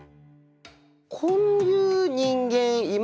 こういう人間いますか？